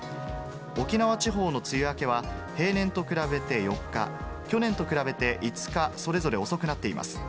沖縄地方の梅雨明けは、平年と比べて４日、去年と比べて、５日それぞれ遅くなっています。